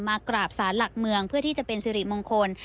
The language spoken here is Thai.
กราบสารหลักเมืองเพื่อที่จะเป็นสิริมงคล